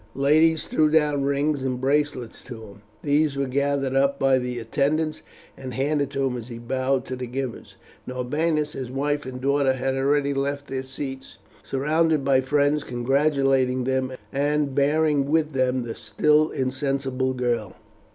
Ladies threw down rings and bracelets to him. These were gathered up by the attendants and handed to him as he bowed to the givers. Norbanus, his wife, and daughter had already left their seats, surrounded by friends congratulating them, and bearing with them the still insensible girl.